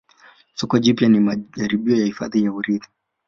Soko jipya na majaribio ya hifadhi ya urithi